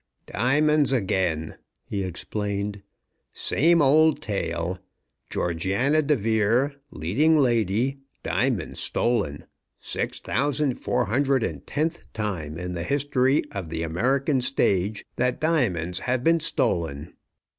"Diamonds again," he explained. "Same old tale. Georgiana De Vere, leading lady, diamonds stolen. Six thousand four hundred and tenth time in the history of the American stage that diamonds have been stolen.